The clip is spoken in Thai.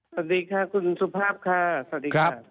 สวัสดีค่ะคุณสุภาพค่ะสวัสดีค่ะ